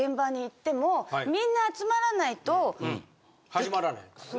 始まらないからね。